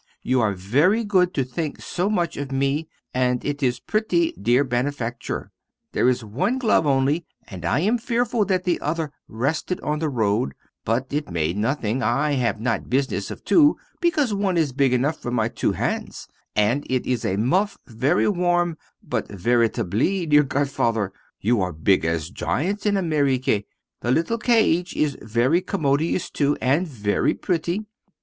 You are very good to think so much of me and it is very pretty, dear benefactor, There is one glove only, and I am fearful that the other rested on the road. But it makes nothing; I have not business of two, because one is enough big for my two hands, and it is a muff very warm; but veritably, dear godfather, you are big like giants, in Amerique! The little cage is very commodious also, and very pretty.